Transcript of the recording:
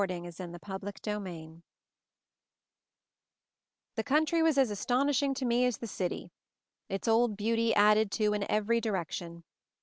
144 MOVING THE MOUNTAIN CHAPTER VII THE country was as astonishing to me as the city — its old beauty added to in every direction.